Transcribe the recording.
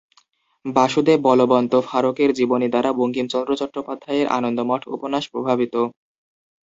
বাসুদেব বলবন্ত ফাড়কের জীবনী দ্বারা বঙ্কিমচন্দ্র চট্টোপাধ্যায়ের আনন্দমঠ উপন্যাস প্রভাবিত।